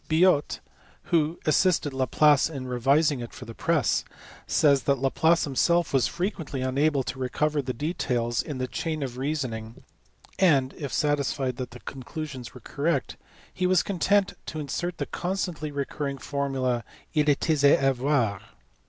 Biot, who assisted Laplace in revising it for the press, says that Laplace himself was frequently unable to recover the details in the chain of reasoning, and, if satisfied that the conclusions were correct, he was content to insert the constantly recurring formula " II est aise a voir."